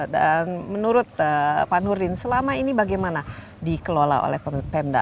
dan menurut pak nurin selama ini bagaimana dikelola oleh penda